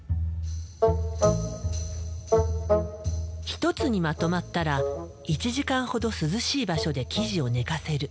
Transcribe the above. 一つにまとまったら１時間ほど涼しい場所で生地を寝かせる。